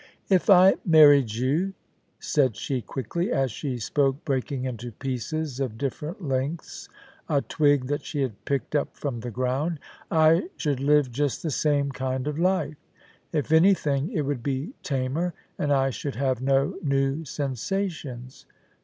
* If I married you,' said she quickly, as she spoke breaking into pieces of different lengths a twig that she had picked up from the ground, * I should live just the same kind of life ; if anything it would be tamer, and I should have no new sensations.'